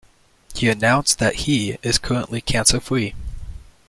He announced that he is currently cancer-free.